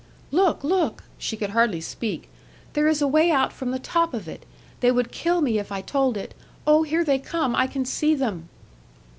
'Look! look!' She could hardly speak. 'There is a way out from the top of it; they would kill me if I told it. Oh, here they come, I can see them.'